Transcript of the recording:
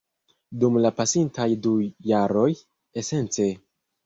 Dum la pasintaj du jaroj, esence